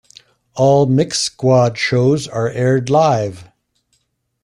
All Mix Squad shows are aired live.